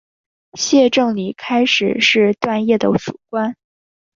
谢正礼开始是段业的属官。